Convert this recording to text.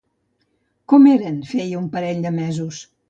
Com eren feia un parell de mesos?